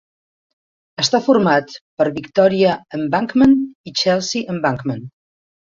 Està format per Victoria Embankment i Chelsea Embankment.